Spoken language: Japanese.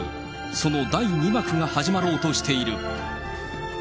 その第２幕が始まろうとしている。